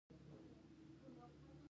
بزګران له درملو کار اخلي.